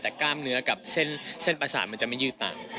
แต่กล้ามเนื้อกับเส้นประสาทมันจะไม่ยืดต่าง